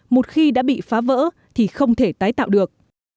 một khi đã bị phá vỡ thì không thể tái tạo được